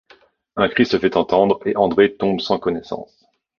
Un cri se fait entendre, et André tombe sans connaissance.